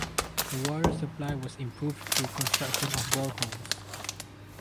The water supply was improved through construction of boreholes.